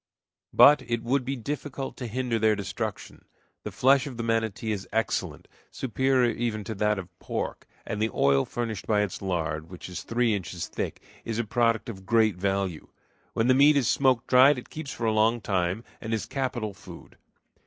But it would be difficult to hinder their destruction. The flesh of the manatee is excellent, superior even to that of pork, and the oil furnished by its lard, which is three inches thick, is a product of great value. When the meat is smoke dried it keeps for a long time, and is capital food.